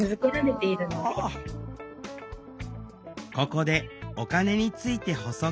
ここでお金について補足。